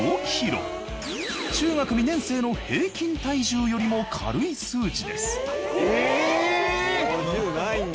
中学２年生の平均体重よりも軽い数値です